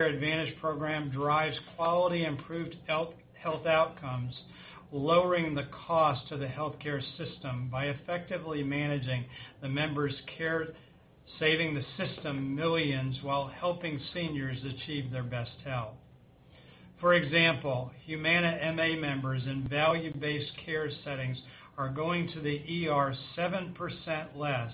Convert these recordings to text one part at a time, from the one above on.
Medicare Advantage program drives quality improved health outcomes, lowering the cost to the healthcare system by effectively managing the members' care, saving the system millions while helping seniors achieve their best health. For example, Humana MA members in value-based care settings are going to the ER 7% less,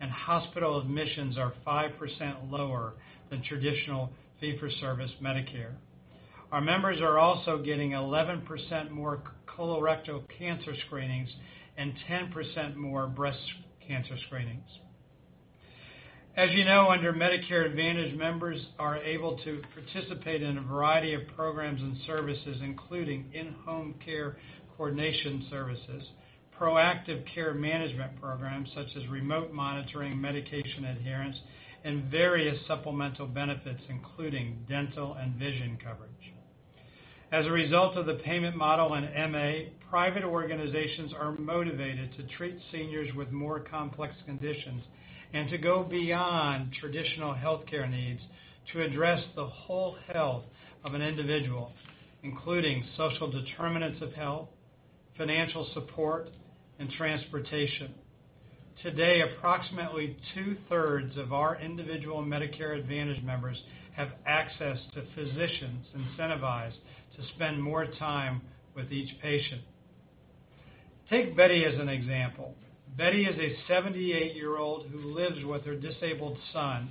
and hospital admissions are 5% lower than traditional fee-for-service Medicare. Our members are also getting 11% more colorectal cancer screenings and 10% more breast cancer screenings. As you know, under Medicare Advantage, members are able to participate in a variety of programs and services, including in-home care coordination services, proactive care management programs, such as remote monitoring, medication adherence, and various supplemental benefits, including dental and vision coverage. As a result of the payment model in MA, private organizations are motivated to treat seniors with more complex conditions and to go beyond traditional healthcare needs to address the whole health of an individual, including social determinants of health, financial support, and transportation. Today, approximately two-thirds of our individual Medicare Advantage members have access to physicians incentivized to spend more time with each patient. Take Betty as an example. Betty is a 78-year-old who lives with her disabled son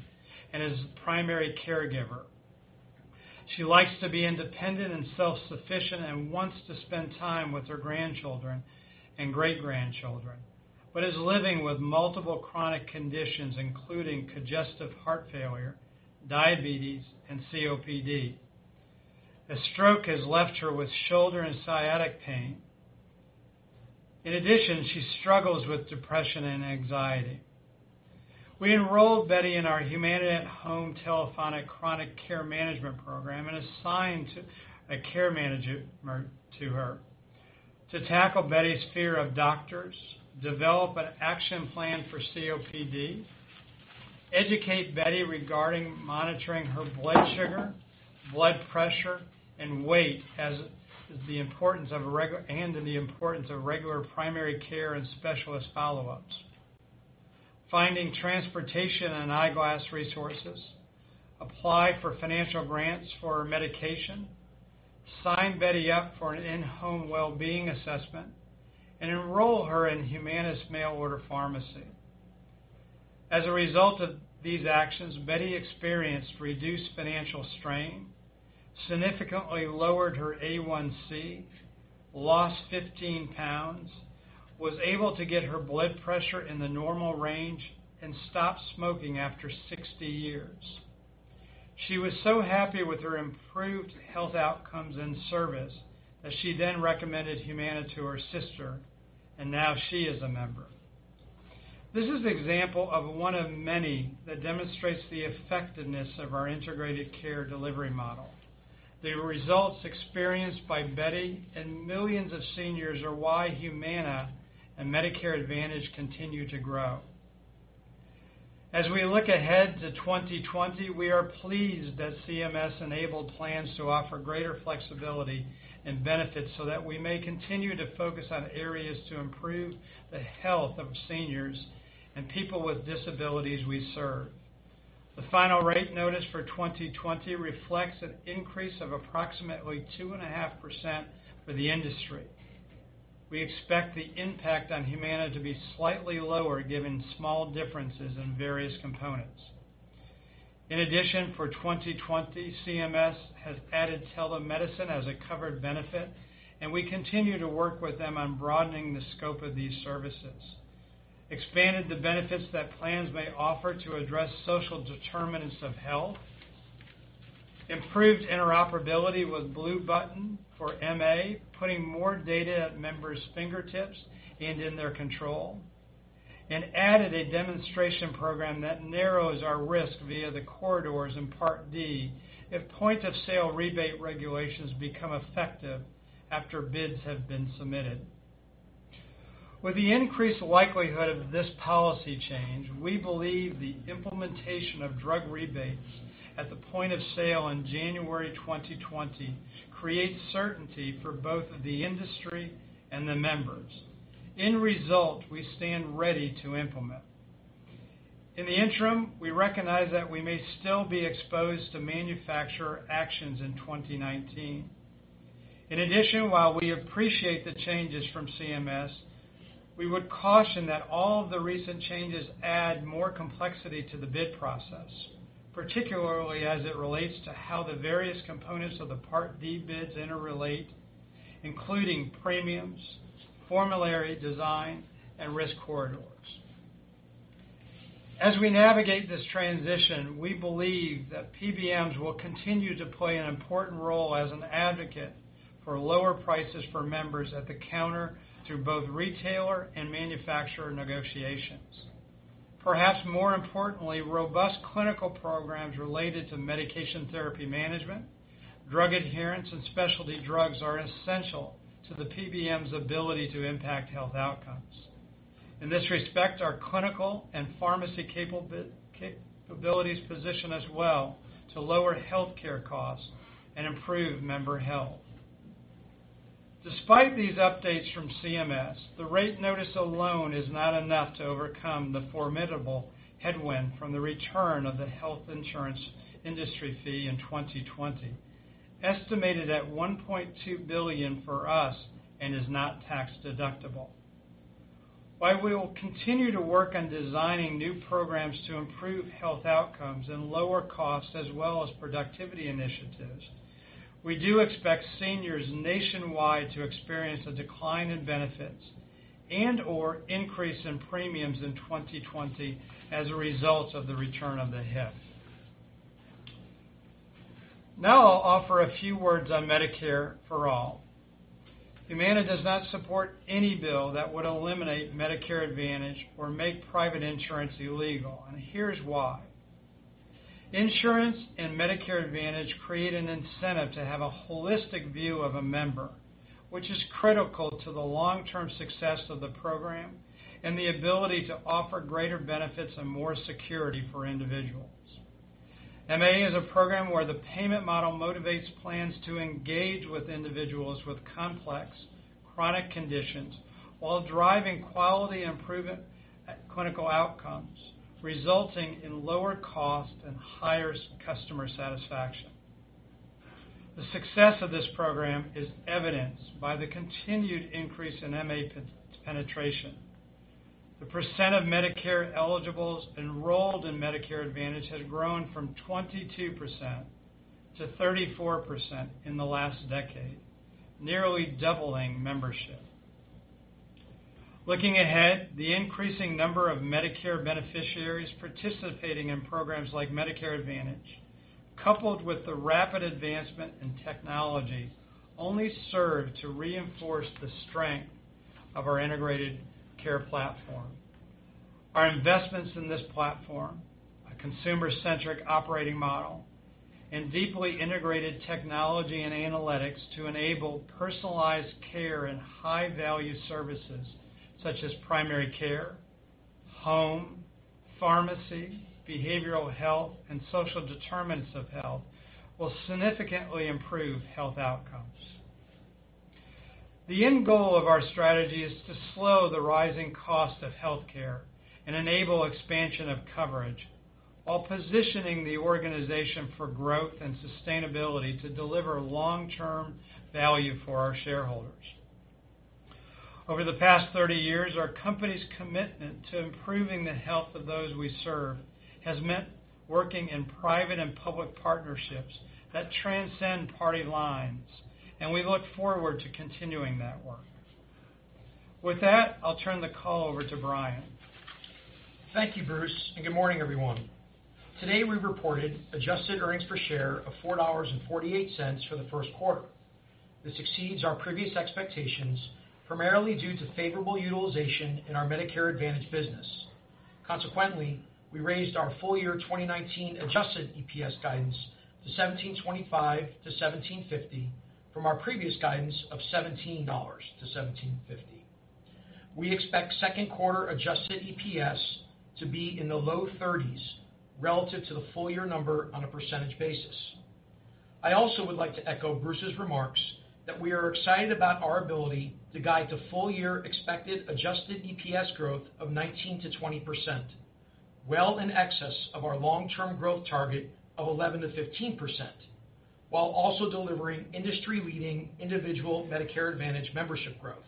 and is the primary caregiver. She likes to be independent and self-sufficient and wants to spend time with her grandchildren and great-grandchildren, but is living with multiple chronic conditions, including congestive heart failure, diabetes, and COPD. A stroke has left her with shoulder and sciatic pain. In addition, she struggles with depression and anxiety. We enrolled Betty in our Humana At Home telephonic chronic care management program and assigned a care manager to her to tackle Betty's fear of doctors, develop an action plan for COPD, educate Betty regarding monitoring her blood sugar, blood pressure, and weight, and the importance of regular primary care and specialist follow-ups, finding transportation and eyeglass resources, apply for financial grants for her medication, sign Betty up for an in-home wellbeing assessment, and enroll her in Humana's mail-order pharmacy. As a result of these actions, Betty experienced reduced financial strain, significantly lowered her A1C, lost 15 pounds, was able to get her blood pressure in the normal range, and stopped smoking after 60 years. She was so happy with her improved health outcomes and service that she then recommended Humana to her sister, and now she is a member. This is an example of one of many that demonstrates the effectiveness of our integrated care delivery model. The results experienced by Betty and millions of seniors are why Humana and Medicare Advantage continue to grow. As we look ahead to 2020, we are pleased that CMS enabled plans to offer greater flexibility and benefits so that we may continue to focus on areas to improve the health of seniors and people with disabilities we serve. The final rate notice for 2020 reflects an increase of approximately 2.5% for the industry. We expect the impact on Humana to be slightly lower given small differences in various components. For 2020, CMS has added telemedicine as a covered benefit, and we continue to work with them on broadening the scope of these services, expanded the benefits that plans may offer to address social determinants of health, improved interoperability with Blue Button for MA, putting more data at members' fingertips and in their control, and added a demonstration program that narrows our risk via the corridors in Part D if point-of-sale rebate regulations become effective after bids have been submitted. With the increased likelihood of this policy change, we believe the implementation of drug rebates at the point of sale in January 2020 creates certainty for both the industry and the members. In result, we stand ready to implement. In the interim, we recognize that we may still be exposed to manufacturer actions in 2019. While we appreciate the changes from CMS, we would caution that all the recent changes add more complexity to the bid process, particularly as it relates to how the various components of the Part D bids interrelate, including premiums, formulary design, and risk corridors. As we navigate this transition, we believe that PBMs will continue to play an important role as an advocate for lower prices for members at the counter through both retailer and manufacturer negotiations. Perhaps more importantly, robust clinical programs related to medication therapy management, drug adherence, and specialty drugs are essential to the PBM's ability to impact health outcomes. In this respect, our clinical and pharmacy capabilities position us well to lower healthcare costs and improve member health. Despite these updates from CMS, the rate notice alone is not enough to overcome the formidable headwind from the return of the Health Insurance Industry Fee in 2020, estimated at $1.2 billion for us, and is not tax-deductible. While we will continue to work on designing new programs to improve health outcomes and lower costs as well as productivity initiatives, we do expect seniors nationwide to experience a decline in benefits and/or increase in premiums in 2020 as a result of the return of the HIIF. Now I'll offer a few words on Medicare for All. Humana does not support any bill that would eliminate Medicare Advantage or make private insurance illegal, and here's why. Insurance and Medicare Advantage create an incentive to have a holistic view of a member, which is critical to the long-term success of the program and the ability to offer greater benefits and more security for individuals. MA is a program where the payment model motivates plans to engage with individuals with complex chronic conditions while driving quality improvement at clinical outcomes, resulting in lower cost and higher customer satisfaction. The success of this program is evidenced by the continued increase in MA penetration. The percent of Medicare eligibles enrolled in Medicare Advantage has grown from 22% to 34% in the last decade, nearly doubling membership. Looking ahead, the increasing number of Medicare beneficiaries participating in programs like Medicare Advantage, coupled with the rapid advancement in technology, only serve to reinforce the strength of our integrated care platform. Our investments in this platform, a consumer-centric operating model, and deeply integrated technology and analytics to enable personalized care and high-value services such as primary care, home, pharmacy, behavioral health, and social determinants of health, will significantly improve health outcomes. The end goal of our strategy is to slow the rising cost of healthcare and enable expansion of coverage while positioning the organization for growth and sustainability to deliver long-term value for our shareholders. Over the past 30 years, our company's commitment to improving the health of those we serve has meant working in private and public partnerships that transcend party lines, and we look forward to continuing that work. With that, I'll turn the call over to Brian. Thank you, Bruce. Good morning, everyone. Today, we reported adjusted earnings per share of $4.48 for the first quarter. This exceeds our previous expectations, primarily due to favorable utilization in our Medicare Advantage business. Consequently, we raised our full-year 2019 adjusted EPS guidance to $17.25-$17.50 from our previous guidance of $17-$17.50. We expect second quarter adjusted EPS to be in the low 30s relative to the full-year number on a percentage basis. I also would like to echo Bruce's remarks that we are excited about our ability to guide the full-year expected adjusted EPS growth of 19%-20%, well in excess of our long-term growth target of 11%-15%, while also delivering industry-leading individual Medicare Advantage membership growth.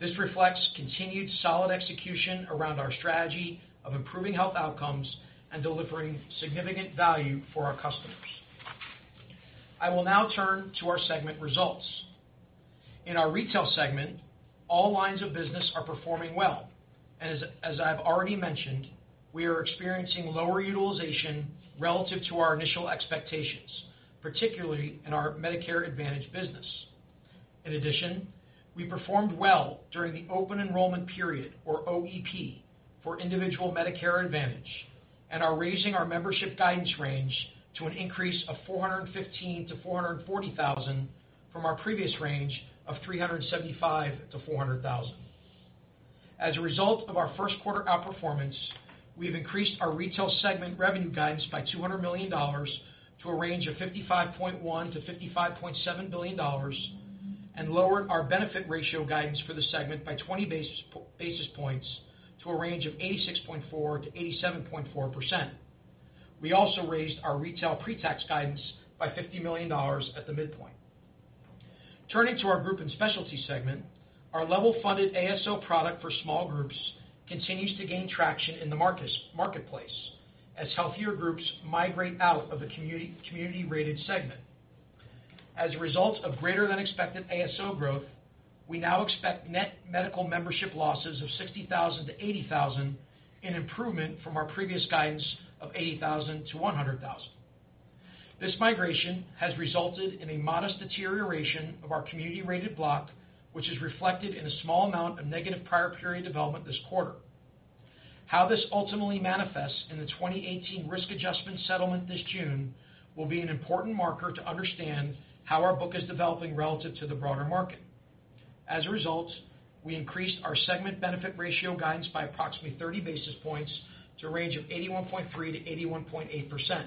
This reflects continued solid execution around our strategy of improving health outcomes and delivering significant value for our customers. I will now turn to our segment results. In our Retail segment, all lines of business are performing well, and as I've already mentioned, we are experiencing lower utilization relative to our initial expectations, particularly in our Medicare Advantage business. In addition, we performed well during the open enrollment period, or OEP, for individual Medicare Advantage and are raising our membership guidance range to an increase of 415,000-440,000 from our previous range of 375,000-400,000. As a result of our first quarter outperformance, we have increased our Retail segment revenue guidance by $200 million to a range of $55.1 billion-$55.7 billion and lowered our benefit ratio guidance for the segment by 20 basis points to a range of 86.4%-87.4%. We also raised our Retail pretax guidance by $50 million at the midpoint. Turning to our Group and Specialty segment, our level-funded ASO product for small groups continues to gain traction in the marketplace, as healthier groups migrate out of the community-rated segment. As a result of greater-than-expected ASO growth, we now expect net medical membership losses of 60,000-80,000, an improvement from our previous guidance of 80,000-100,000. This migration has resulted in a modest deterioration of our community-rated block, which is reflected in a small amount of negative prior period development this quarter. How this ultimately manifests in the 2018 risk adjustment settlement this June will be an important marker to understand how our book is developing relative to the broader market. As a result, we increased our segment benefit ratio guidance by approximately 30 basis points to a range of 81.3%-81.8%.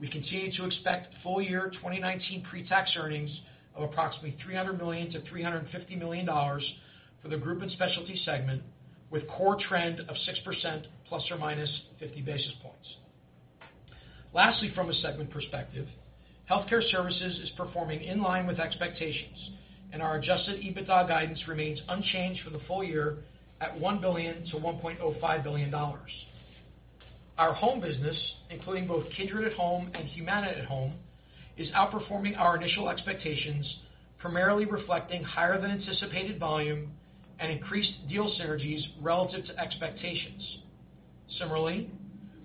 We continue to expect full year 2019 pre-tax earnings of approximately $300 million to $350 million for the group and specialty segment, with core trend of 6% ±50 basis points. Lastly, from a segment perspective, Healthcare Services is performing in line with expectations, and our adjusted EBITDA guidance remains unchanged for the full year at $1 billion to $1.05 billion. Our home business, including both Kindred at Home and Humana At Home, is outperforming our initial expectations, primarily reflecting higher than anticipated volume and increased deal synergies relative to expectations. Similarly,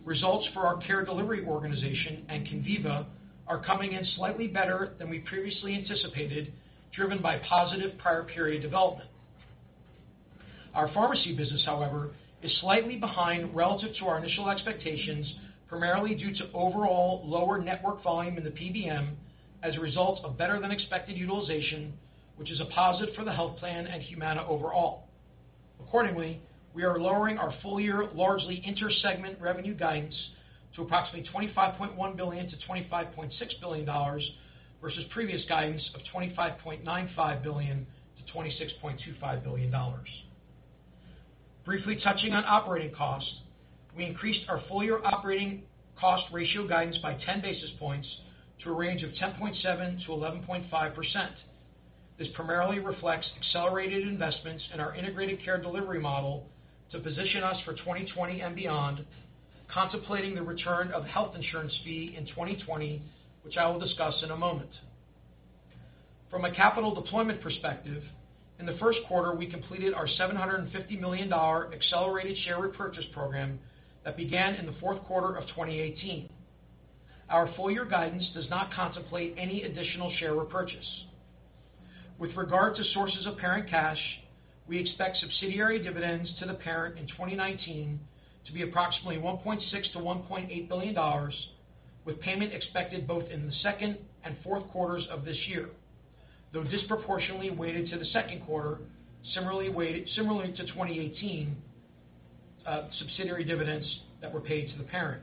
results for our care delivery organization and Conviva are coming in slightly better than we previously anticipated, driven by positive prior period development. Our pharmacy business, however, is slightly behind relative to our initial expectations, primarily due to overall lower network volume in the PBM as a result of better than expected utilization, which is a positive for the health plan and Humana overall. Accordingly, we are lowering our full year largely inter-segment revenue guidance to approximately $25.1 billion to $25.6 billion versus previous guidance of $25.95 billion to $26.25 billion. Briefly touching on operating costs, we increased our full year operating cost ratio guidance by 10 basis points to a range of 10.7%-11.5%. This primarily reflects accelerated investments in our integrated care delivery model to position us for 2020 and beyond, contemplating the return of Health Insurance Fee in 2020, which I will discuss in a moment. From a capital deployment perspective, in the first quarter, we completed our $750 million accelerated share repurchase program that began in the fourth quarter of 2018. Our full year guidance does not contemplate any additional share repurchase. With regard to sources of parent cash, we expect subsidiary dividends to the parent in 2019 to be approximately $1.6 billion to $1.8 billion, with payment expected both in the second and fourth quarters of this year, though disproportionately weighted to the second quarter, similarly to 2018 subsidiary dividends that were paid to the parent.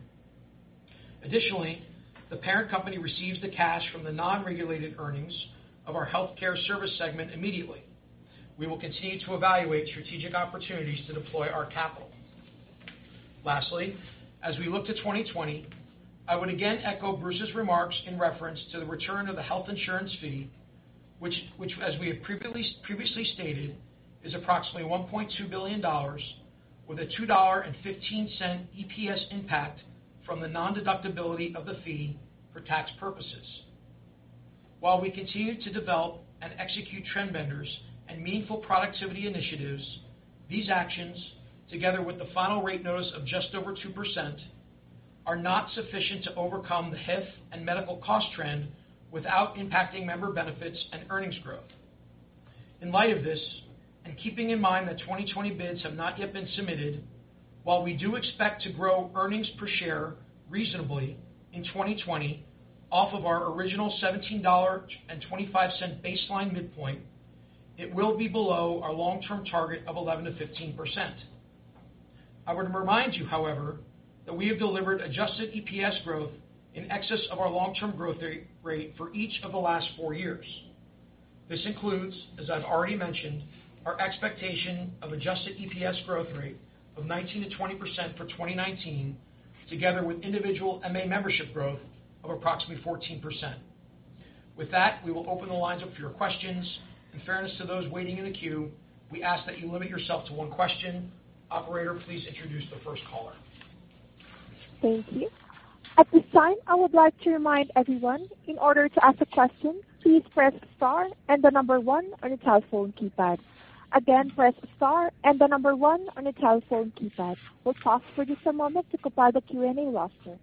Additionally, the parent company receives the cash from the non-regulated earnings of our Healthcare Services segment immediately. We will continue to evaluate strategic opportunities to deploy our capital. Lastly, as we look to 2020, I would again echo Bruce's remarks in reference to the return of the Health Insurance Fee, which as we have previously stated, is approximately $1.2 billion with a $2.15 EPS impact from the non-deductibility of the fee for tax purposes. While we continue to develop and execute trend benders and meaningful productivity initiatives, these actions, together with the final rate notice of just over 2%, are not sufficient to overcome the HIF and medical cost trend without impacting member benefits and earnings growth. In light of this, and keeping in mind that 2020 bids have not yet been submitted, while we do expect to grow earnings per share reasonably in 2020 off of our original $17.25 baseline midpoint, it will be below our long-term target of 11%-15%. I want to remind you, however, that we have delivered adjusted EPS growth in excess of our long-term growth rate for each of the last four years. This includes, as I've already mentioned, our expectation of adjusted EPS growth rate of 19%-20% for 2019, together with individual MA membership growth of approximately 14%. With that, we will open the lines up for your questions. In fairness to those waiting in the queue, we ask that you limit yourself to one question. Operator, please introduce the first caller. Thank you. At this time, I would like to remind everyone, in order to ask a question, please press star and the number one on your telephone keypad. Again, press star and the number one on your telephone keypad. We'll pause for just a moment to compile the Q&A roster.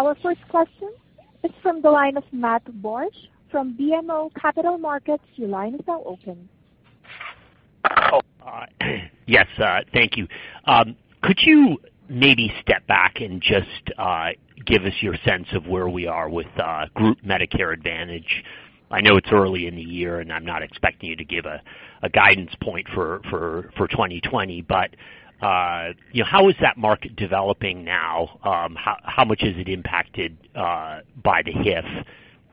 Our first question is from the line of Matthew Borsch from BMO Capital Markets, your line is now open. Yes, thank you. Could you maybe step back and just give us your sense of where we are with Group Medicare Advantage? I know it's early in the year, and I'm not expecting you to give a guidance point for 2020. How is that market developing now? How much is it impacted by the HIF?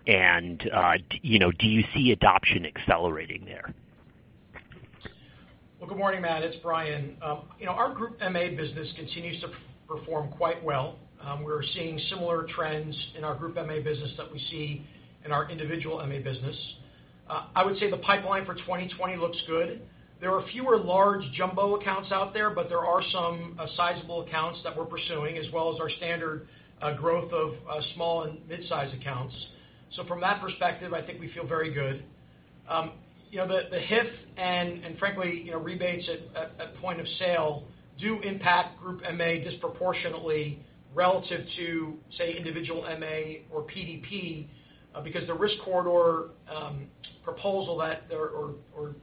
Do you see adoption accelerating there? Well, good morning, Matt. It's Brian. Our group MA business continues to perform quite well. We're seeing similar trends in our group MA business that we see in our individual MA business. I would say the pipeline for 2020 looks good. There are fewer large jumbo accounts out there, but there are some sizable accounts that we're pursuing, as well as our standard growth of small and mid-size accounts. From that perspective, I think we feel very good. The HIF and frankly, rebates at point-of-sale do impact group MA disproportionately relative to, say, individual MA or PDP, because the risk corridor proposal or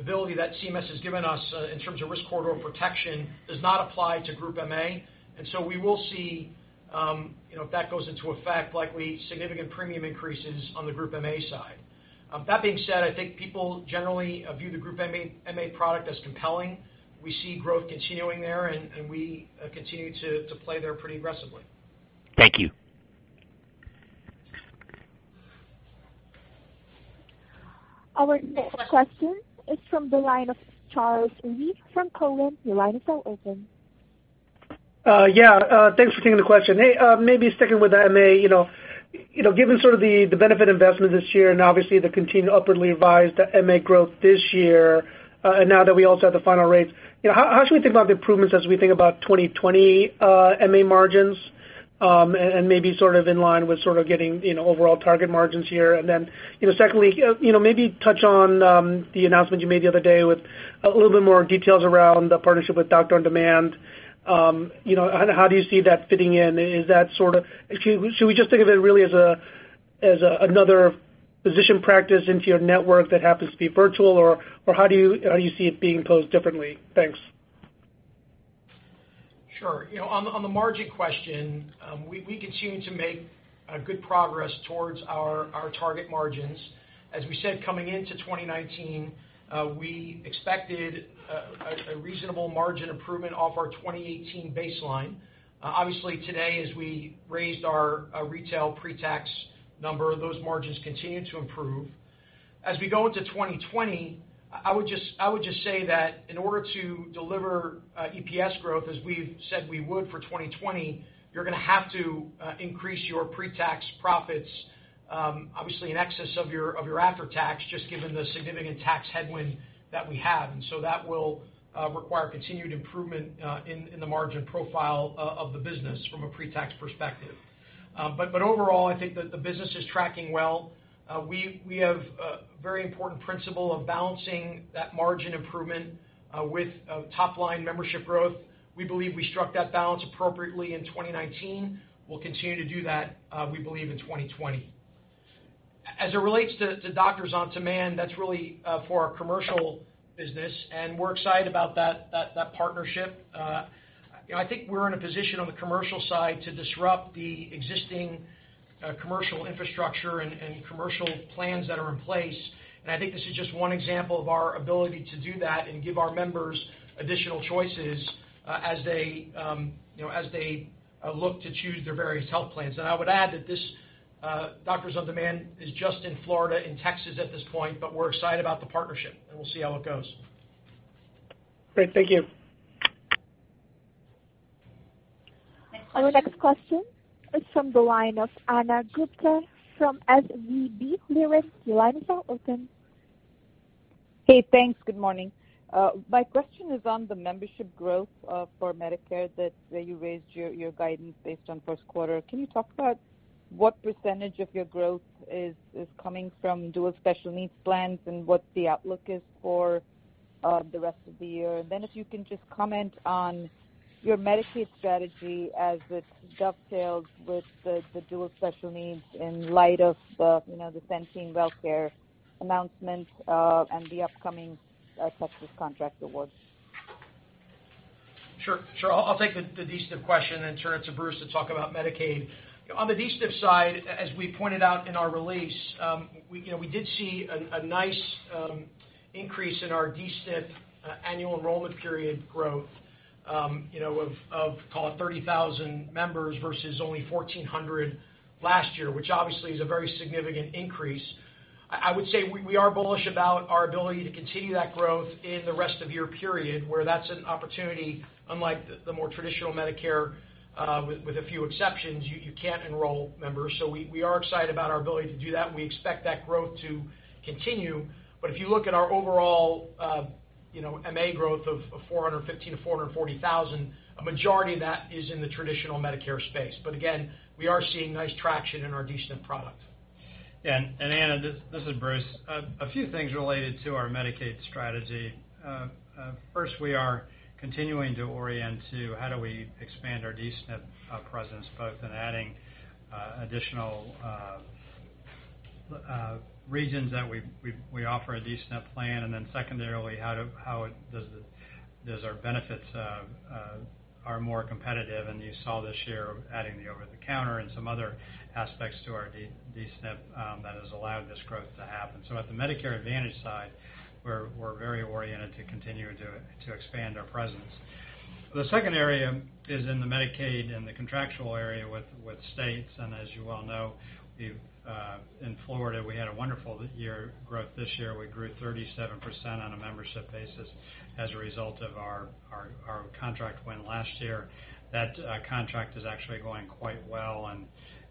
ability that CMS has given us in terms of risk corridor protection does not apply to group MA. We will see, if that goes into effect, likely significant premium increases on the group MA side. That being said, I think people generally view the group MA product as compelling. We see growth continuing there, and we continue to play there pretty aggressively. Thank you. Our next question is from the line of Charles Rhyee from Cowen. Your line is now open. Yeah. Thanks for taking the question. Hey, maybe sticking with MA. Given sort of the benefit investment this year and obviously the continued upwardly revised MA growth this year, now that we also have the final rates, how should we think about the improvements as we think about 2020 MA margins? Maybe sort of in line with sort of getting overall target margins here. Secondly, maybe touch on the announcement you made the other day with a little bit more details around the partnership with Doctor On Demand. How do you see that fitting in? Should we just think of it really as another physician practice into your network that happens to be virtual, or how do you see it being posed differently? Thanks. Sure. On the margin question, we continue to make good progress towards our target margins. As we said, coming into 2019, we expected a reasonable margin improvement off our 2018 baseline. Obviously, today, as we raised our retail pre-tax number, those margins continue to improve. As we go into 2020, I would just say that in order to deliver EPS growth as we've said we would for 2020, you're going to have to increase your pre-tax profits, obviously in excess of your after-tax, just given the significant tax headwind that we have. So that will require continued improvement in the margin profile of the business from a pre-tax perspective. Overall, I think that the business is tracking well. We have a very important principle of balancing that margin improvement with top-line membership growth. We believe we struck that balance appropriately in 2019. We'll continue to do that, we believe, in 2020. As it relates to Doctor On Demand, that's really for our commercial business, and we're excited about that partnership. I think we're in a position on the commercial side to disrupt the existing commercial infrastructure and commercial plans that are in place. I think this is just one example of our ability to do that and give our members additional choices as they look to choose their various health plans. I would add that this Doctor On Demand is just in Florida and Texas at this point, but we're excited about the partnership, and we'll see how it goes. Great. Thank you. Our next question is from the line of Ana Gupte from SVB Leerink. Your line is now open. Hey, thanks. Good morning. My question is on the membership growth for Medicare that you raised your guidance based on first quarter. Can you talk about what percentage of your growth is coming from dual special needs plans, and what the outlook is for the rest of the year? If you can just comment on your Medicaid strategy as it dovetails with the dual special needs in light of the Centene WellCare announcement and the upcoming Texas contract awards. Sure. I'll take the D-SNP question and turn it to Bruce to talk about Medicaid. On the D-SNP side, as we pointed out in our release, we did see a nice increase in our D-SNP annual enrollment period growth of call it 30,000 members versus only 1,400 last year, which obviously is a very significant increase. I would say we are bullish about our ability to continue that growth in the rest of year period, where that's an opportunity, unlike the more traditional Medicare, with a few exceptions, you can't enroll members. We are excited about our ability to do that, and we expect that growth to continue. If you look at our overall MA growth of 415,000-440,000, a majority of that is in the traditional Medicare space. Again, we are seeing nice traction in our D-SNP product. Yeah. Ana, this is Bruce. A few things related to our Medicaid strategy. First, we are continuing to orient to how do we expand our D-SNP presence, both in adding additional regions that we offer a D-SNP plan, and then secondarily, how does our benefits are more competitive. You saw this year adding the over-the-counter and some other aspects to our D-SNP that has allowed this growth to happen. At the Medicare Advantage side, we're very oriented to continue to expand our presence. The second area is in the Medicaid and the contractual area with states. As you well know, in Florida, we had a wonderful year growth this year. We grew 37% on a membership basis as a result of our contract win last year. That contract is actually going quite well,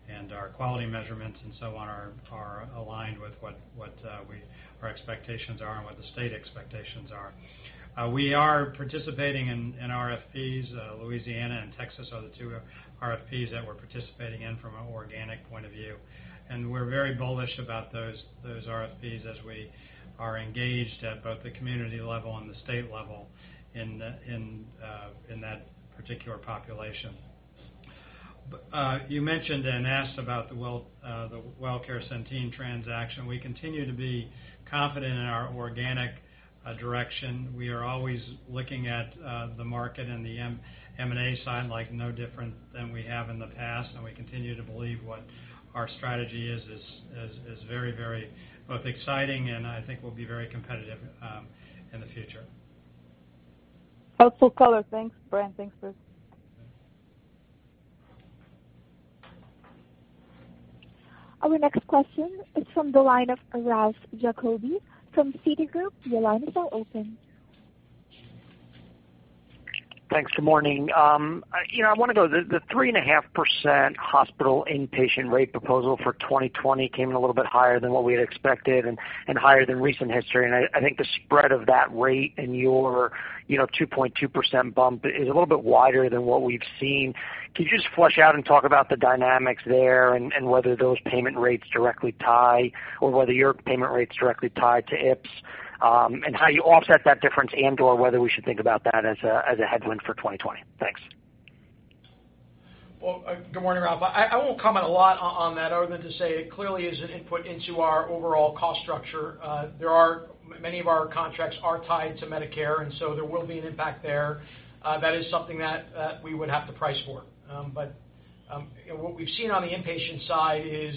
and our quality measurements and so on are aligned with what our expectations are and what the state expectations are. We are participating in RFPs. Louisiana and Texas are the two RFPs that we're participating in from an organic point of view, and we're very bullish about those RFPs as we are engaged at both the community level and the state level in that particular population. You mentioned and asked about the WellCare Centene transaction. We continue to be confident in our organic direction. We are always looking at the market and the M&A side, no different than we have in the past. We continue to believe what our strategy is very exciting. I think will be very competitive in the future. Helpful color. Thanks, Brian. Thanks, Bruce. Our next question is from the line of Ralph Giacobbe from Citigroup. Your line is now open. Thanks. Good morning. The 3.5% hospital inpatient rate proposal for 2020 came in a little bit higher than what we had expected and higher than recent history. I think the spread of that rate and your 2.2% bump is a little bit wider than what we've seen. Could you just flesh out and talk about the dynamics there and whether those payment rates directly tie, or whether your payment rates directly tie to IPs, and how you offset that difference, and/or whether we should think about that as a headwind for 2020? Thanks. Well, good morning, Ralph. I won't comment a lot on that other than to say it clearly is an input into our overall cost structure. Many of our contracts are tied to Medicare. There will be an impact there. That is something that we would have to price for. What we've seen on the inpatient side is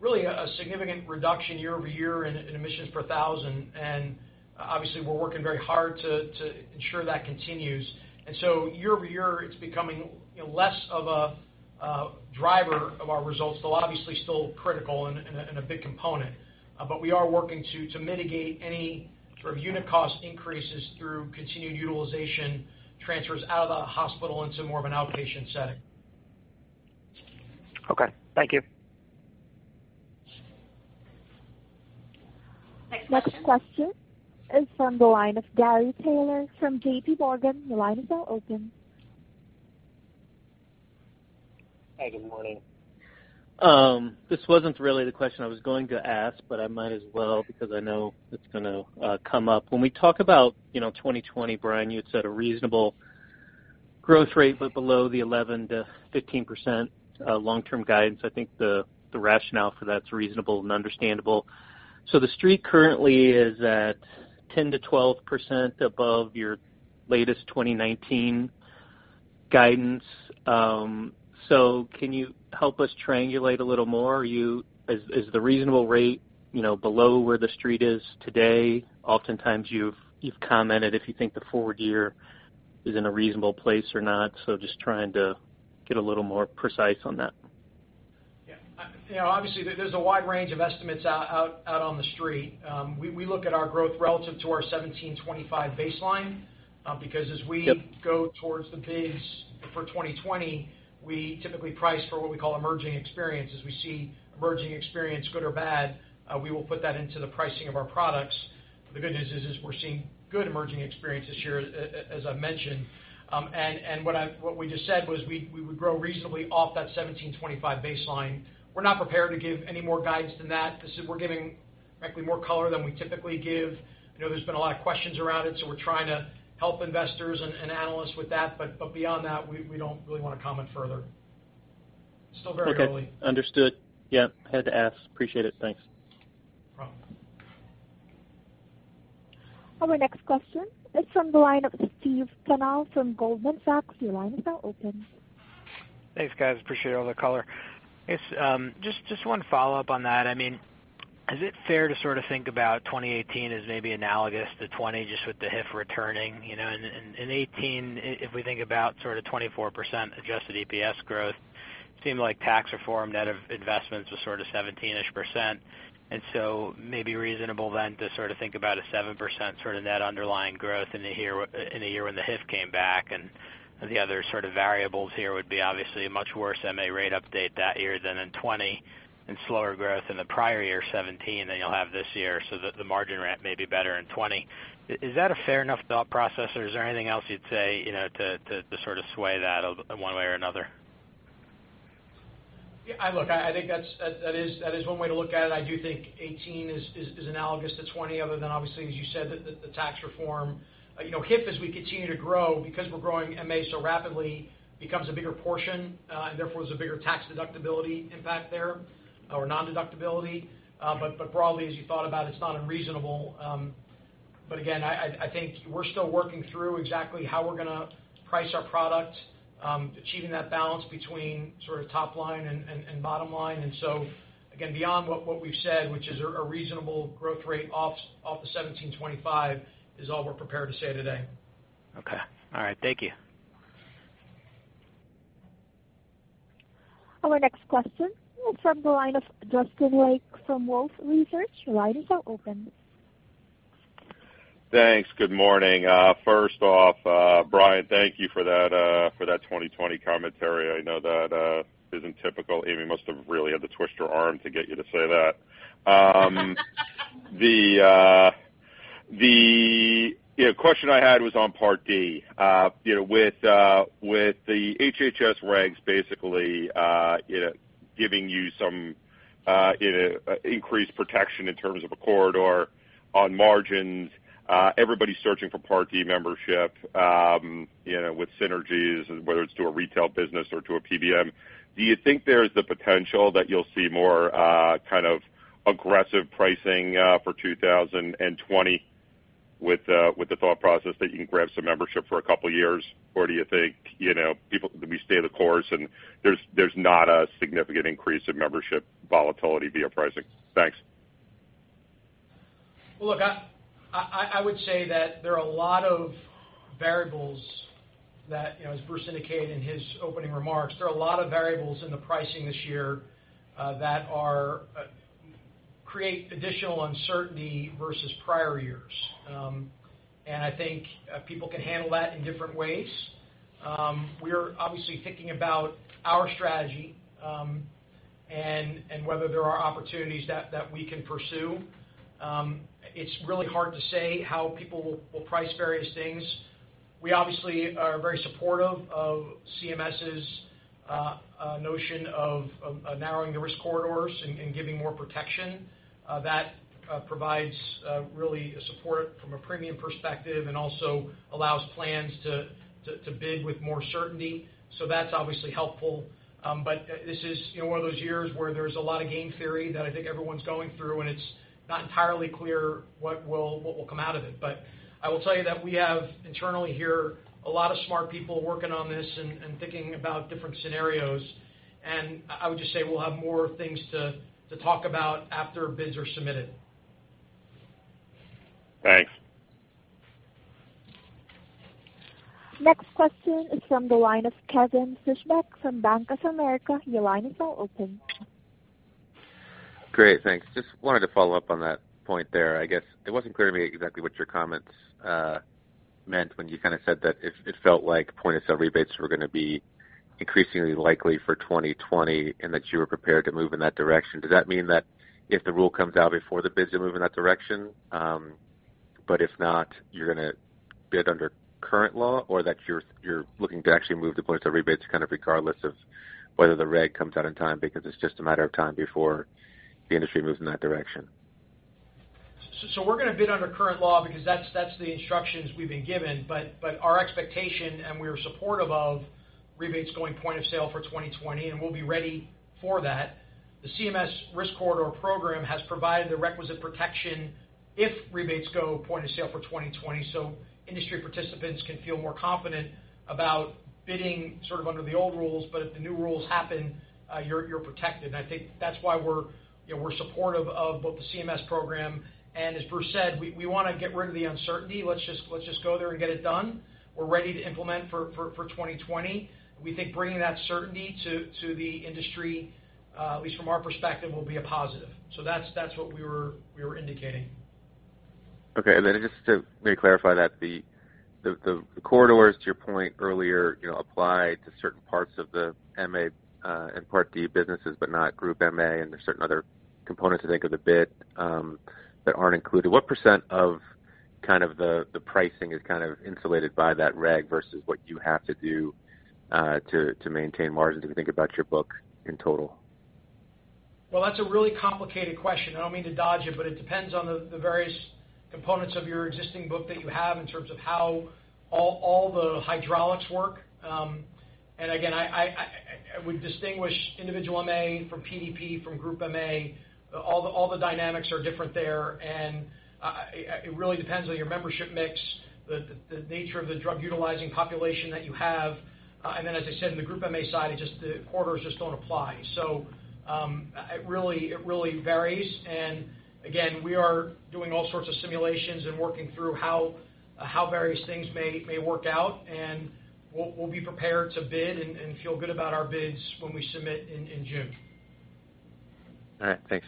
really a significant reduction year-over-year in admissions per thousand. Obviously we're working very hard to ensure that continues. Year-over-year, it's becoming less of a driver of our results, though obviously still critical and a big component. We are working to mitigate any sort of unit cost increases through continued utilization transfers out of the hospital into more of an outpatient setting. Okay, thank you. Next question is from the line of Gary Taylor from J.P. Morgan. Your line is now open. Hi, good morning. This wasn't really the question I was going to ask, but I might as well, because I know it's going to come up. When we talk about 2020, Brian, you had said a reasonable growth rate, but below the 11%-15%, long-term guidance. I think the rationale for that's reasonable and understandable. The Street currently is at 10%-12% above your latest 2019 guidance. Can you help us triangulate a little more? Is the reasonable rate below where The Street is today? Oftentimes you've commented if you think the forward year is in a reasonable place or not. Just trying to get a little more precise on that. Yeah. Obviously there's a wide range of estimates out on The Street. We look at our growth relative to our 1725 baseline. Yep go towards the bids for 2020, we typically price for what we call emerging experience. As we see emerging experience, good or bad, we will put that into the pricing of our products. The good news is we're seeing good emerging experiences here, as I mentioned. What we just said was we would grow reasonably off that 1,725 baseline. We're not prepared to give any more guidance than that. We're giving frankly more color than we typically give. There's been a lot of questions around it, so we're trying to help investors and analysts with that. Beyond that, we don't really want to comment further. Still very early. Okay, understood. Yeah, had to ask. Appreciate it. Thanks. No problem. Our next question is from the line of Stephen Tanal from Goldman Sachs. Your line is now open. Thanks, guys. Appreciate all the color. Guess, just one follow-up on that. Is it fair to sort of think about 2018 as maybe analogous to 2020 just with the HIF returning? In 2018, if we think about sort of 24% adjusted EPS growth, seemed like tax reform net of investments was sort of 17%-ish, maybe reasonable then to sort of think about a 7% sort of net underlying growth in a year when the HIF came back, the other sort of variables here would be obviously a much worse MA rate update that year than in 2020, and slower growth in the prior year 2017 than you'll have this year, so the margin ramp may be better in 2020. Is that a fair enough thought process, or is there anything else you'd say to sort of sway that one way or another? Yeah, look, I think that is one way to look at it. I do think 2018 is analogous to 2020 other than obviously, as you said, the tax reform. HIF, as we continue to grow, because we're growing MA so rapidly, becomes a bigger portion, and therefore there's a bigger tax deductibility impact there, or non-deductibility. Broadly, as you thought about, it's not unreasonable. Again, I think we're still working through exactly how we're going to price our product, achieving that balance between sort of top line and bottom line. Again, beyond what we've said, which is a reasonable growth rate off the $1,725, is all we're prepared to say today. Okay. All right. Thank you. Our next question is from the line of Justin Lake from Wolfe Research. Your line is now open. Thanks. Good morning. First off, Brian, thank you for that 2020 commentary. I know that isn't typical. Amy must have really had to twist your arm to get you to say that. The question I had was on Part D. With the HHS regs basically giving you some increased protection in terms of a corridor on margins. Everybody's searching for Part D membership, with synergies, whether it's to a retail business or to a PBM. Do you think there's the potential that you'll see more aggressive pricing for 2020 with the thought process that you can grab some membership for a couple of years? Do you think, we stay the course, and there's not a significant increase in membership volatility via pricing? Thanks. Well, look, I would say that there are a lot of variables that, as Bruce indicated in his opening remarks, there are a lot of variables in the pricing this year that create additional uncertainty versus prior years. I think people can handle that in different ways. We're obviously thinking about our strategy, and whether there are opportunities that we can pursue. It's really hard to say how people will price various things. We obviously are very supportive of CMS's notion of narrowing the risk corridors and giving more protection. That provides really a support from a premium perspective and also allows plans to bid with more certainty. That's obviously helpful. This is one of those years where there's a lot of game theory that I think everyone's going through, and it's not entirely clear what will come out of it. I will tell you that we have internally here, a lot of smart people working on this and thinking about different scenarios, and I would just say we'll have more things to talk about after bids are submitted. Thanks. Next question is from the line of Kevin Fischbeck from Bank of America. Your line is now open. Great. Thanks. Just wanted to follow up on that point there. I guess it wasn't clear to me exactly what your comments meant when you said that it felt like point of sale rebates were going to be increasingly likely for 2020, and that you were prepared to move in that direction. Does that mean that if the rule comes out before the bids, you'll move in that direction, but if not, you're going to bid under current law, or that you're looking to actually move the point of sale rebates, kind of regardless of whether the reg comes out in time, because it's just a matter of time before the industry moves in that direction? We're going to bid under current law because that's the instructions we've been given. Our expectation, and we are supportive of rebates going point of sale for 2020, and we'll be ready for that. The CMS risk corridor program has provided the requisite protection if rebates go point of sale for 2020, so industry participants can feel more confident about bidding sort of under the old rules, but if the new rules happen, you're protected. I think that's why we're supportive of both the CMS program. As Bruce said, we want to get rid of the uncertainty. Let's just go there and get it done. We're ready to implement for 2020. We think bringing that certainty to the industry, at least from our perspective, will be a positive. That's what we were indicating. Okay. Just to maybe clarify that, the corridors, to your point earlier, apply to certain parts of the MA and Part D businesses, but not group MA, and there's certain other components, I think, of the bid, that aren't included. What % of the pricing is kind of insulated by that reg versus what you have to do to maintain margins if you think about your book in total? Well, that's a really complicated question. I don't mean to dodge it, but it depends on the various components of your existing book that you have in terms of how all the hydraulics work. Again, I would distinguish individual MA from PDP, from group MA. All the dynamics are different there, and it really depends on your membership mix, the nature of the drug-utilizing population that you have. As I said, in the group MA side, the corridors just don't apply. It really varies. Again, we are doing all sorts of simulations and working through how various things may work out, and we'll be prepared to bid and feel good about our bids when we submit in June. All right. Thanks.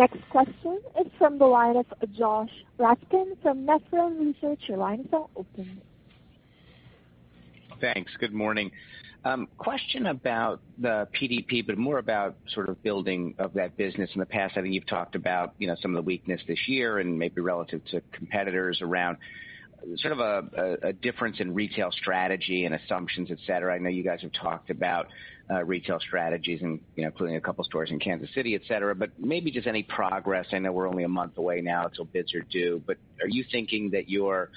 Next question is from the line of Joshua Raskin from Nephron Research. Your line is now open. Thanks. Good morning. Question about the PDP, more about building of that business. In the past, I think you've talked about some of the weakness this year and maybe relative to competitors around a difference in retail strategy and assumptions. I know you guys have talked about retail strategies including a couple stores in Kansas City, maybe just any progress. I know we're only a month away now till bids are due, are you thinking that your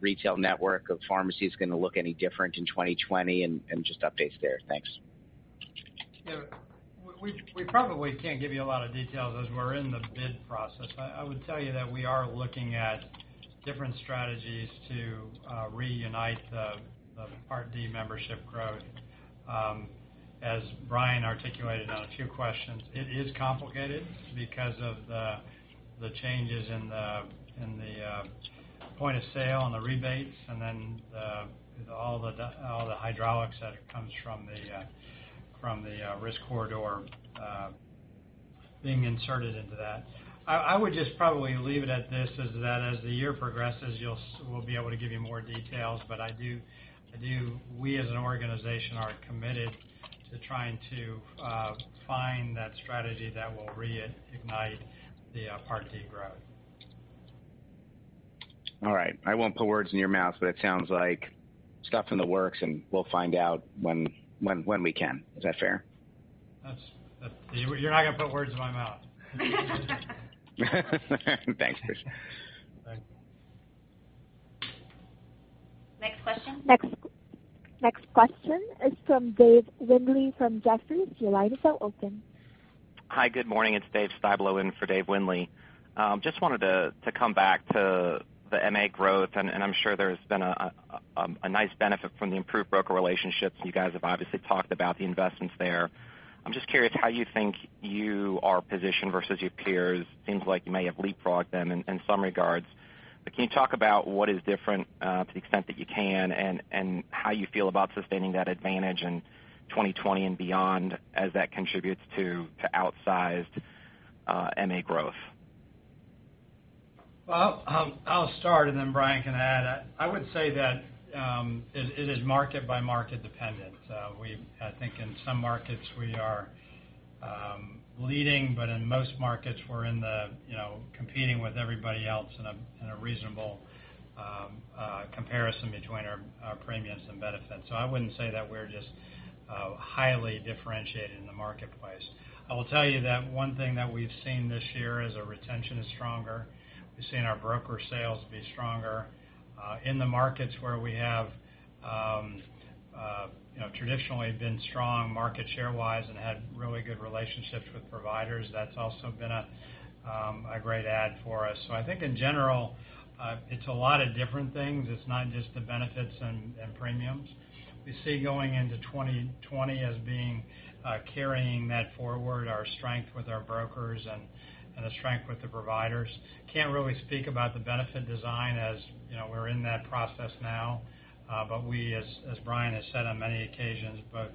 retail network of pharmacy is going to look any different in 2020, just updates there. Thanks. We probably can't give you a lot of details as we're in the bid process. I would tell you that we are looking at different strategies to reignite the Part D membership growth. As Brian articulated on a few questions, it is complicated because of the changes in the point of sale and the rebates, all the hydraulics that comes from the risk corridor being inserted into that. I would just probably leave it at this, is that as the year progresses, we'll be able to give you more details. We as an organization are committed to trying to find that strategy that will reignite the Part D growth. All right. I won't put words in your mouth, but it sounds like stuff in the works, and we'll find out when we can. Is that fair? You're not going to put words in my mouth. Thanks. Thanks. Next question. Next question is from Dave Windley from Jefferies. Your line is now open. Hi, good morning. It's Dave Styblo in for Dave Windley. Just wanted to come back to the MA growth. I'm sure there's been a nice benefit from the improved broker relationships. You guys have obviously talked about the investments there. I'm just curious how you think you are positioned versus your peers. Seems like you may have leapfrogged them in some regards. Can you talk about what is different, to the extent that you can, and how you feel about sustaining that advantage in 2020 and beyond as that contributes to outsized MA growth? I'll start and then Brian can add. I would say that it is market by market dependent. I think in some markets we are leading, but in most markets we're competing with everybody else in a reasonable comparison between our premiums and benefits. I wouldn't say that we're just highly differentiated in the marketplace. I will tell you that one thing that we've seen this year is our retention is stronger. We've seen our broker sales be stronger. In the markets where we have traditionally been strong market share-wise and had really good relationships with providers, that's also been a great add for us. I think in general, it's a lot of different things. It's not just the benefits and premiums. We see going into 2020 as being carrying that forward, our strength with our brokers and the strength with the providers. Can't really speak about the benefit design as we're in that process now. We, as Brian has said on many occasions, both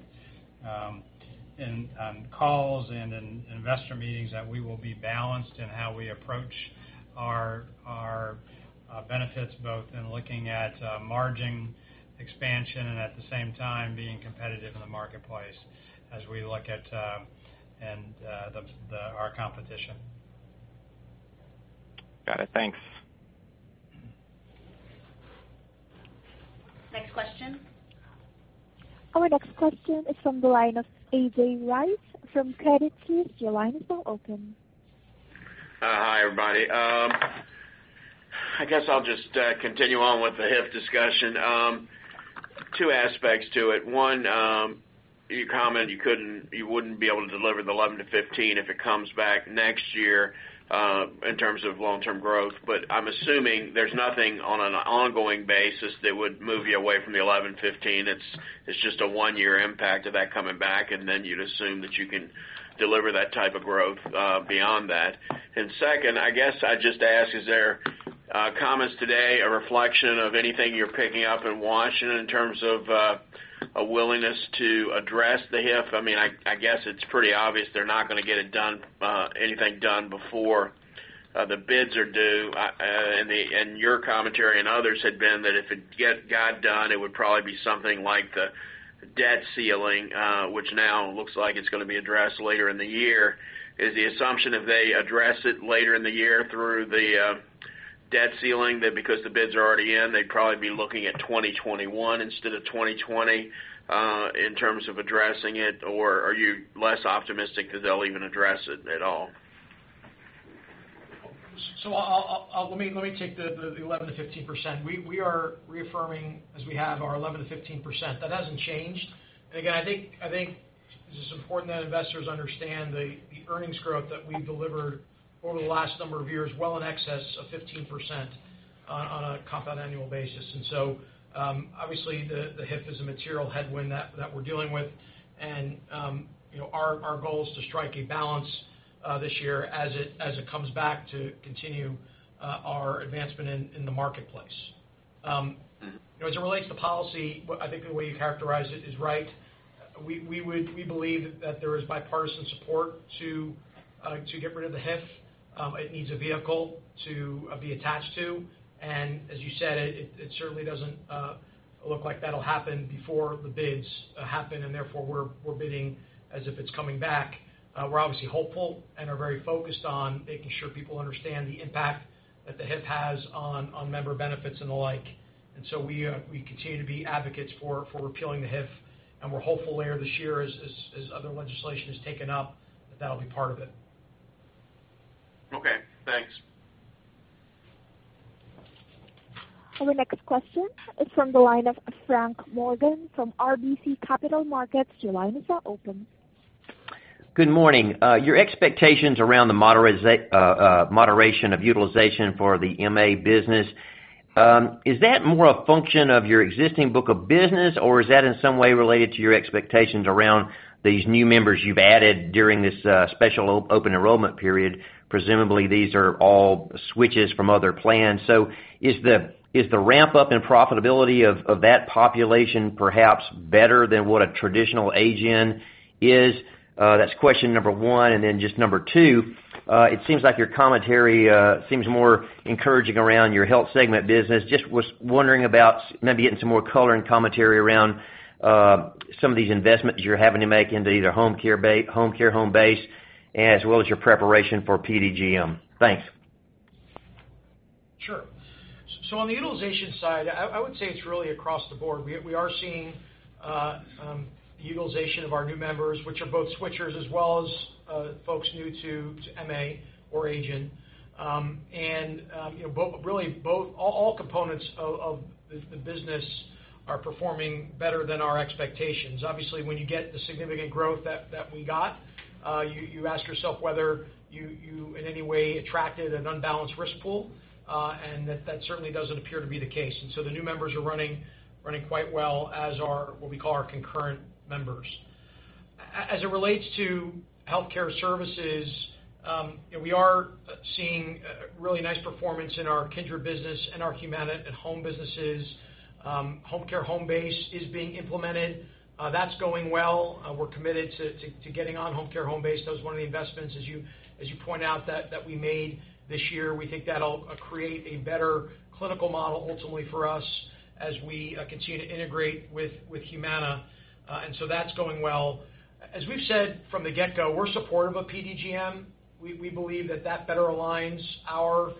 in calls and in investor meetings, that we will be balanced in how we approach our benefits, both in looking at margin expansion and at the same time being competitive in the marketplace as we look at our competition. Got it. Thanks. Next question. Our next question is from the line of A.J. Rice from Credit Suisse. Your line is now open. Hi, everybody. I guess I'll just continue on with the HIF discussion. Two aspects to it. One, you comment you wouldn't be able to deliver the 11% to 15% if it comes back next year in terms of long-term growth. I'm assuming there's nothing on an ongoing basis that would move you away from the 11%/15%. It's just a one-year impact of that coming back, and then you'd assume that you can deliver that type of growth beyond that. Second, I guess I'd just ask, is there comments today a reflection of anything you're picking up in Washington in terms of a willingness to address the HIF? I guess it's pretty obvious they're not going to get anything done before the bids are due. Your commentary and others had been that if it got done, it would probably be something like the debt ceiling, which now looks like it's going to be addressed later in the year. Is the assumption if they address it later in the year through the debt ceiling, that because the bids are already in, they'd probably be looking at 2021 instead of 2020 in terms of addressing it, or are you less optimistic that they'll even address it at all? Let me take the 11%-15%. We are reaffirming, as we have, our 11%-15%. That hasn't changed. Again, I think it's important that investors understand the earnings growth that we've delivered over the last number of years, well in excess of 15% on a compound annual basis. Obviously, the HIF is a material headwind that we're dealing with. Our goal is to strike a balance this year as it comes back to continue our advancement in the marketplace. As it relates to policy, I think the way you characterize it is right. We believe that there is bipartisan support to get rid of the HIF. It needs a vehicle to be attached to. As you said, it certainly doesn't look like that'll happen before the bids happen, and therefore, we're bidding as if it's coming back. We're obviously hopeful and are very focused on making sure people understand the impact that the HIF has on member benefits and the like. We continue to be advocates for repealing the HIF, and we're hopeful later this year as other legislation is taken up, that that'll be part of it. Okay, thanks. Our next question is from the line of Frank Morgan from RBC Capital Markets. Your line is now open. Good morning. Your expectations around the moderation of utilization for the MA business, is that more a function of your existing book of business, or is that in some way related to your expectations around these new members you've added during this special open enrollment period? Presumably, these are all switches from other plans. Is the ramp-up in profitability of that population perhaps better than what a traditional age in is? That's question number one. Just number two, it seems like your commentary seems more encouraging around your health segment business. Just was wondering about maybe getting some more color and commentary around some of these investments you're having to make into either Homecare Homebase, as well as your preparation for PDGM. Thanks. Sure. On the utilization side, I would say it's really across the board. We are seeing the utilization of our new members, which are both switchers as well as folks new to MA or age in. Really all components of the business are performing better than our expectations. Obviously, when you get the significant growth that we got, you ask yourself whether you, in any way, attracted an unbalanced risk pool, and that certainly doesn't appear to be the case. The new members are running quite well as what we call our concurrent members. As it relates to healthcare services, we are seeing really nice performance in our Kindred business and our Humana At Home businesses. Homecare Homebase is being implemented. That's going well. We're committed to getting on Homecare Homebase. That was one of the investments, as you point out, that we made this year. We think that'll create a better clinical model ultimately for us as we continue to integrate with Humana. That's going well. As we've said from the get-go, we're supportive of PDGM. We believe that that better aligns our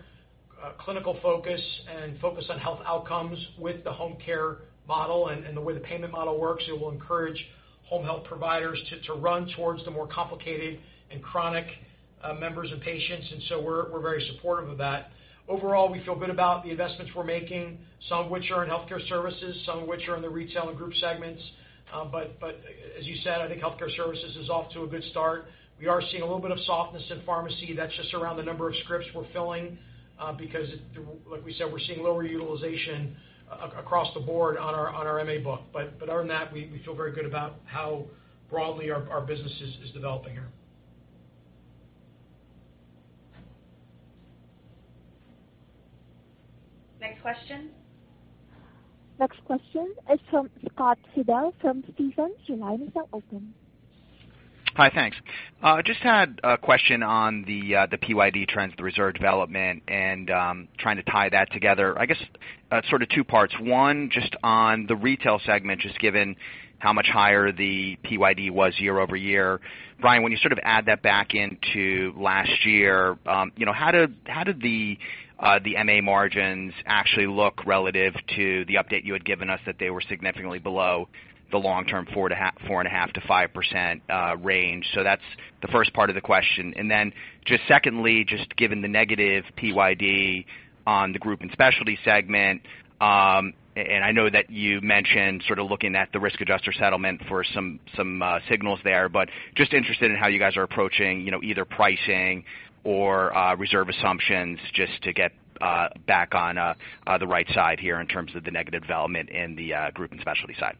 clinical focus and focus on health outcomes with the home care model and the way the payment model works. It will encourage home health providers to run towards the more complicated and chronic members and patients. We're very supportive of that. Overall, we feel good about the investments we're making, some of which are in healthcare services, some of which are in the retail and group segments. As you said, I think healthcare services is off to a good start. We are seeing a little bit of softness in pharmacy. That's just around the number of scripts we're filling, because like we said, we're seeing lower utilization across the board on our MA book. Other than that, we feel very good about how broadly our business is developing here. Next question. Next question is from Scott Fidel from Stephens. Your line is now open. Hi, thanks. Just had a question on the PYD trends, the reserve development, and trying to tie that together. I guess sort of two parts. One, just on the retail segment, just given how much higher the PYD was year-over-year. Brian, when you sort of add that back into last year, how did the MA margins actually look relative to the update you had given us that they were significantly below the long term 4.5%-5% range? That's the first part of the question. Secondly, just given the negative PYD on the group and specialty segment, and I know that you mentioned sort of looking at the risk adjustment settlement for some signals there, but just interested in how you guys are approaching either pricing or reserve assumptions just to get back on the right side here in terms of the negative development in the group and specialty side.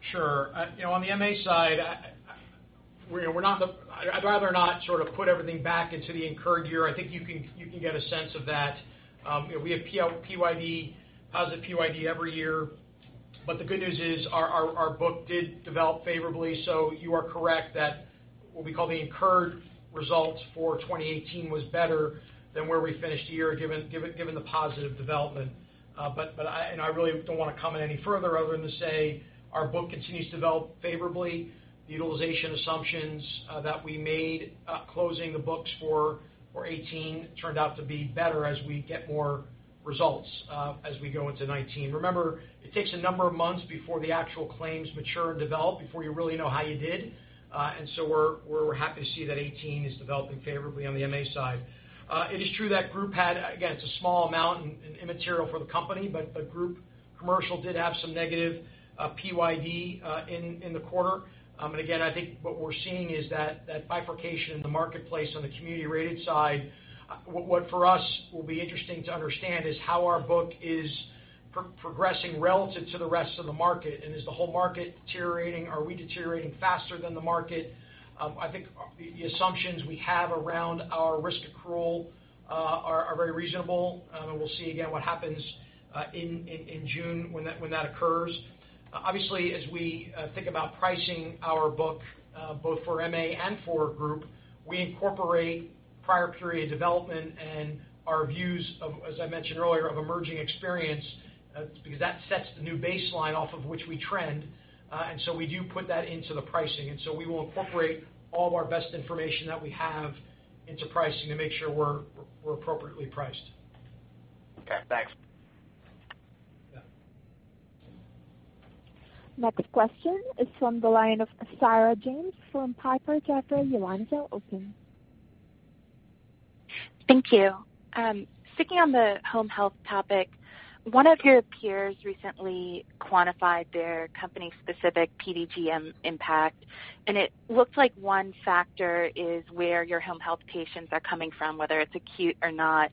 Thanks. Sure. On the MA side, I'd rather not sort of put everything back into the incurred year. I think you can get a sense of that. We have positive PYD every year. The good news is our book did develop favorably. You are correct that what we call the incurred results for 2018 was better than where we finished the year, given the positive development. I really don't want to comment any further other than to say our book continues to develop favorably. The utilization assumptions that we made closing the books for 2018 turned out to be better as we get more results as we go into 2019. Remember, it takes a number of months before the actual claims mature and develop, before you really know how you did. We're happy to see that 2018 is developing favorably on the MA side. It is true that group had, again, it's a small amount and immaterial for the company, but group commercial did have some negative PYD in the quarter. Again, I think what we're seeing is that bifurcation in the marketplace on the community-rated side. What for us will be interesting to understand is how our book is progressing relative to the rest of the market, and is the whole market deteriorating? Are we deteriorating faster than the market? I think the assumptions we have around our risk accrual are very reasonable. We'll see again what happens in June when that occurs. Obviously, as we think about pricing our book both for MA and for group, we incorporate prior period development and our views, as I mentioned earlier, of emerging experience, because that sets the new baseline off of which we trend. We do put that into the pricing, and so we will incorporate all of our best information that we have into pricing to make sure we're appropriately priced. Okay, thanks. Yeah. Next question is from the line of Sarah James from Piper Jaffray. Your line is now open. Thank you. Sticking on the home health topic, one of your peers recently quantified their company's specific PDGM impact, and it looked like one factor is where your home health patients are coming from, whether it's acute or not.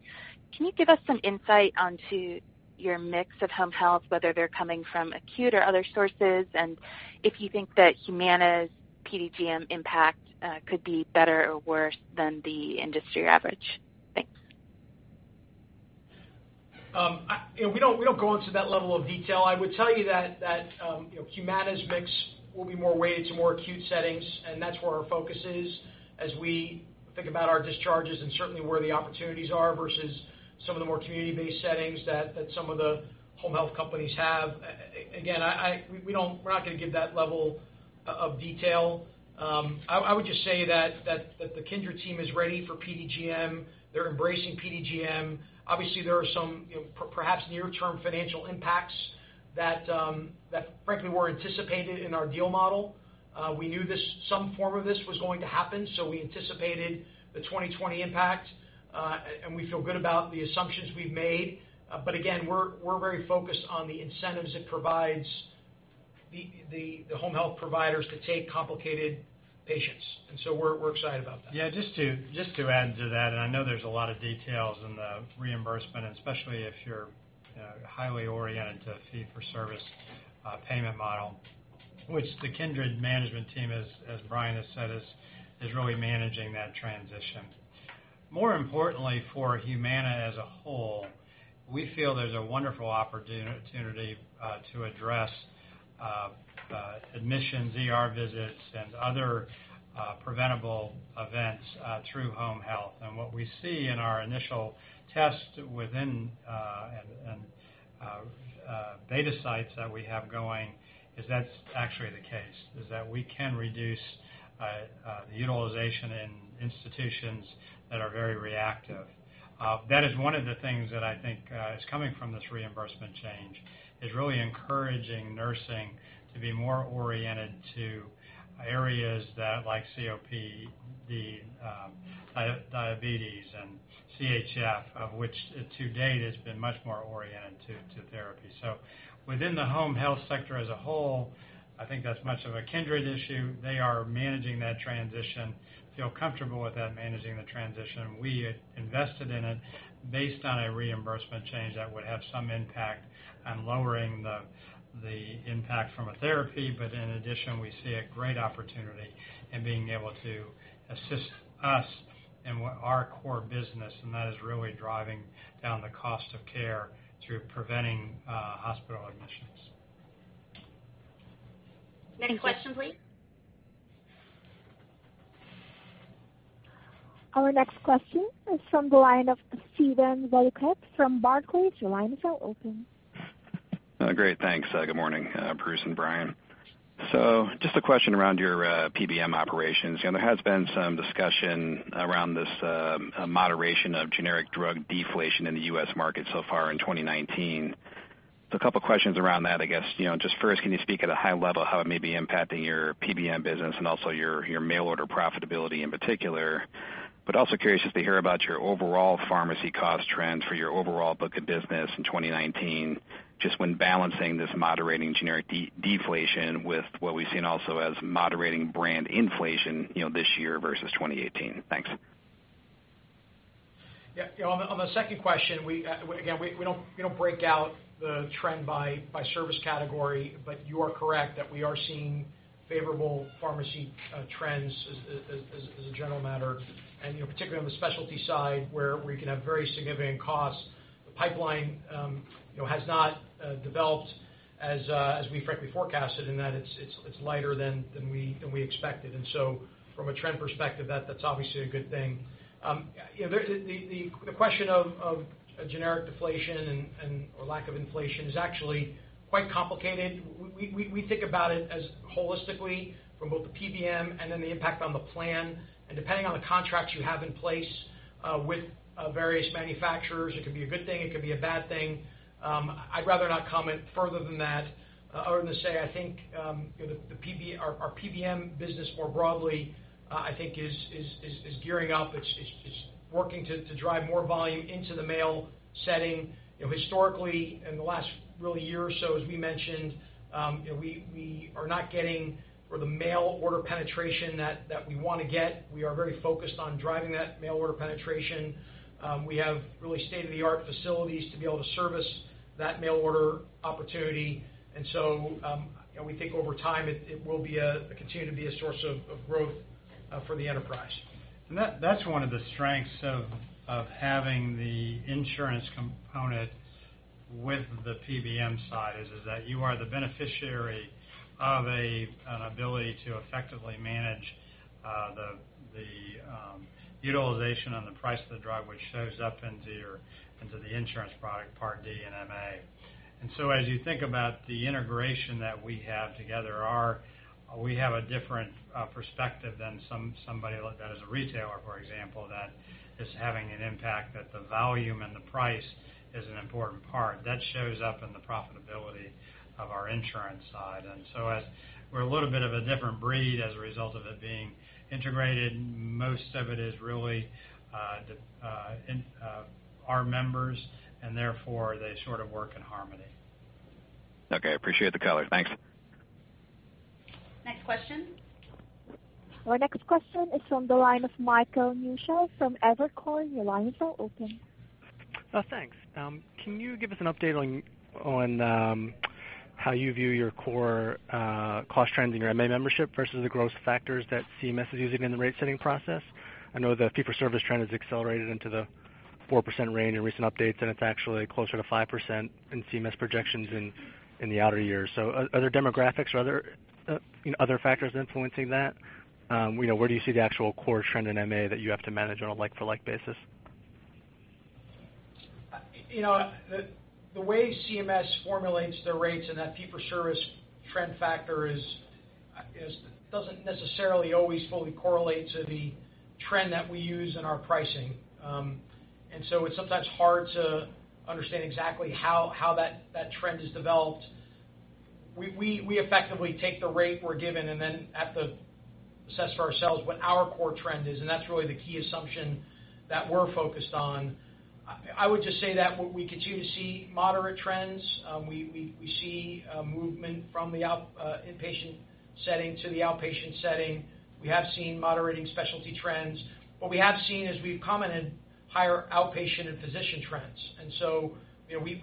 Can you give us some insight onto your mix of home health, whether they're coming from acute or other sources, and if you think that Humana's PDGM impact could be better or worse than the industry average? Thanks. We don't go into that level of detail. I would tell you that Humana's mix will be more weighted to more acute settings, and that's where our focus is as we think about our discharges and certainly where the opportunities are versus some of the more community-based settings that some of the home health companies have. Again, we're not going to give that level of detail. I would just say that the Kindred team is ready for PDGM. They're embracing PDGM. Obviously, there are some perhaps near-term financial impacts that frankly were anticipated in our deal model. We knew some form of this was going to happen, we anticipated the 2020 impact, and we feel good about the assumptions we've made. Again, we're very focused on the incentives it provides the home health providers to take complicated patients. We're excited about that. Yeah, just to add to that, I know there's a lot of details in the reimbursement, especially if you're highly oriented to fee-for-service payment model. Which the Kindred management team, as Brian has said, is really managing that transition. More importantly, for Humana as a whole, we feel there's a wonderful opportunity to address admissions, ER visits, and other preventable events through home health. What we see in our initial test within data sites that we have going, is that's actually the case, is that we can reduce the utilization in institutions that are very reactive. That is one of the things that I think is coming from this reimbursement change, is really encouraging nursing to be more oriented to areas like COPD, diabetes, and CHF, of which to date has been much more oriented to therapy. Within the home health sector as a whole, I think that's much of a Kindred issue. They are managing that transition, feel comfortable with that, managing the transition. We had invested in it based on a reimbursement change that would have some impact on lowering the impact from a therapy. In addition, we see a great opportunity in being able to assist us in our core business, and that is really driving down the cost of care through preventing hospital admissions. Thank you. Next question, please. Our next question is from the line of Steven Valiquette from Barclays. Your line is now open. Great. Thanks. Good morning, Bruce and Brian. Just a question around your PBM operations. There has been some discussion around this moderation of generic drug deflation in the U.S. market so far in 2019. A couple of questions around that, I guess. Just first, can you speak at a high level how it may be impacting your PBM business and also your mail order profitability in particular, but also curious just to hear about your overall pharmacy cost trends for your overall book of business in 2019, just when balancing this moderating generic deflation with what we've seen also as moderating brand inflation this year versus 2018. Thanks. Yeah. On the second question, again, we don't break out the trend by service category, but you are correct that we are seeing favorable pharmacy trends as a general matter, and particularly on the specialty side, where we can have very significant costs. The pipeline has not developed as we frankly forecasted in that it's lighter than we expected. From a trend perspective, that's obviously a good thing. The question of generic deflation and or lack of inflation is actually quite complicated. We think about it as holistically from both the PBM and then the impact on the plan. Depending on the contracts you have in place with various manufacturers, it could be a good thing, it could be a bad thing. I'd rather not comment further than that, other than to say, I think our PBM business more broadly, I think is gearing up. It's working to drive more volume into the mail setting. Historically, in the last year or so, as we mentioned, we are not getting the mail order penetration that we want to get. We are very focused on driving that mail order penetration. We have really state-of-the-art facilities to be able to service that mail order opportunity. We think over time, it will continue to be a source of growth for the enterprise. That's one of the strengths of having the insurance component with the PBM side, is that you are the beneficiary of an ability to effectively manage the utilization on the price of the drug, which shows up into the insurance product, Part D and MA. As you think about the integration that we have together, we have a different perspective than somebody that is a retailer, for example, that is having an impact, that the volume and the price is an important part. That shows up in the profitability of our insurance side. As we're a little bit of a different breed as a result of it being integrated, most of it is really our members, and therefore they sort of work in harmony. Okay. I appreciate the color. Thanks. Next question. Our next question is from the line of Michael Newshel from Evercore. Your line is now open. Thanks. Can you give us an update on how you view your core cost trends in your MA membership versus the growth factors that CMS is using in the rate-setting process? I know the fee-for-service trend has accelerated into the 4% range in recent updates, and it's actually closer to 5% in CMS projections in the outer years. Are there demographics or are there other factors influencing that? Where do you see the actual core trend in MA that you have to manage on a like-for-like basis? The way CMS formulates their rates and that fee-for-service trend factor doesn't necessarily always fully correlate to the trend that we use in our pricing. It's sometimes hard to understand exactly how that trend is developed. We effectively take the rate we're given and then have to assess for ourselves what our core trend is, and that's really the key assumption that we're focused on. I would just say that we continue to see moderate trends. We see movement from the inpatient setting to the outpatient setting. We have seen moderating specialty trends. What we have seen, as we've commented, higher outpatient and physician trends.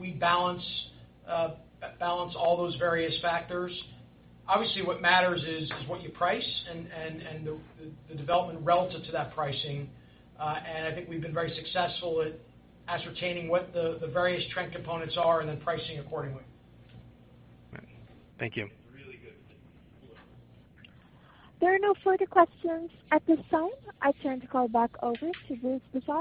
We balance all those various factors. Obviously, what matters is what you price and the development relative to that pricing. I think we've been very successful at ascertaining what the various trend components are and then pricing accordingly. Thank you. Really good. There are no further questions at this time. I turn the call back over to Bruce Broussard.